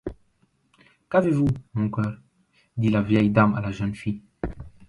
Qu’avez-vous, mon cœur? dit la vieille dame à la jeune fille.